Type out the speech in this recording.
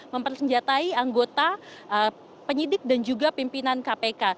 mempersenjatai anggota penyidik dan juga pimpinan kpk